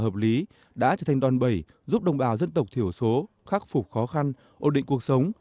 hợp lý đã trở thành đòn bẩy giúp đồng bào dân tộc thiểu số khắc phục khó khăn ổn định cuộc sống